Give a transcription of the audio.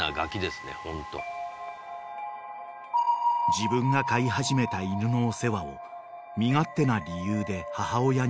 ［自分が飼い始めた犬のお世話を身勝手な理由で母親に押し付ける］